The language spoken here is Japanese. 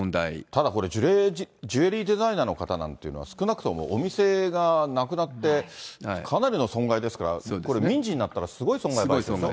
ただ、これジュエリーデザイナーの方なんていうのは、少なくともお店がなくなって、かなりの損害ですから、これ民事になったら、すごい損害ですね。